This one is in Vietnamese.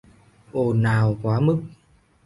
Ồn ào quá mức